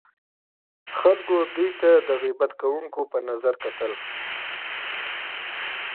خلکو دوی ته د غیب ګویانو په نظر کتل.